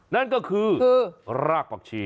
นั่นก็คือรากผักชี